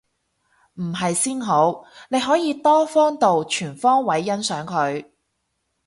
唔係先好，你可以多方度全方位欣賞佢